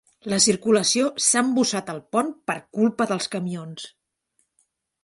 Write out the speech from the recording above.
La circulació s'ha embussat al pont per culpa dels camions!